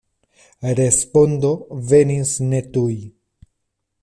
Respondo venis ne tuj.